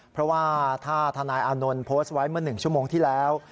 เพราะว่าถ้าทนายอานนท์โพสต์ไว้เมื่อ๑ชั่วโมงที่แล้ว